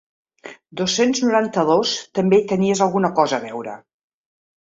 Dos-cents noranta-dos també hi tenies alguna cosa a veure.